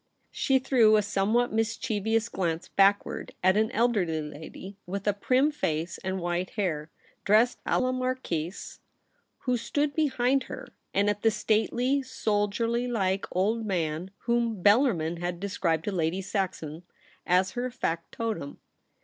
She threw a somewhat mischievous glance backward at an elderly lady with a prim face and white hair, dressed a la Marquise^ who stood behind her, and at the stately, soldier like old man whom Bellarmin had described to Lady Saxon as her factotum.